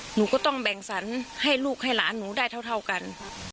หนูก็ต้องแบ่งสรรให้ลูกให้หลานหนูได้เท่ากัน